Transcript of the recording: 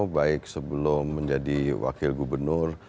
baik sebelum menjadi wakil gubernur